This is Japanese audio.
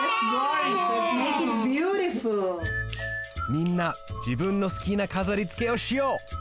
みんなじぶんのすきなかざりつけをしよう！